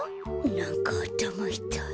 なんかあたまいたい。